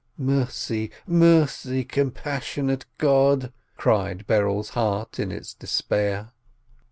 "Mercy, mercy, compassionate God!" cried Berel's heart in its despair.